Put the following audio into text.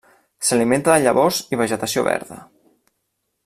S'alimenta de llavors i vegetació verda.